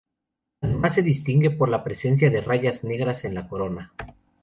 Además se distingue por la presencia de rayas negras en la corona.